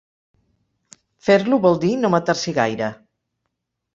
Fer-lo vol dir no matar-s'hi gaire.